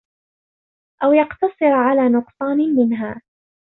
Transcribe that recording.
أَوْ يَقْتَصِرَ عَلَى نُقْصَانٍ مِنْهَا